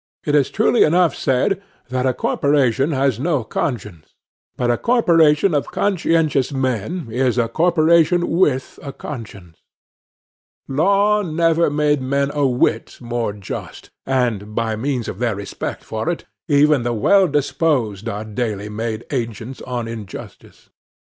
It is truly enough said that a corporation has no conscience; but a corporation of conscientious men is a corporation with a conscience. Law never made men a whit more just; and, by means of their respect for it, even the well disposed are daily made the agents of injustice.